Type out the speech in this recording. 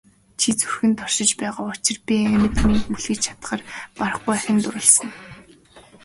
Чи зүрхэнд оршиж байгаа учир би амьд мэнд мөлхөж чадахаар барахгүй ахин дурласан.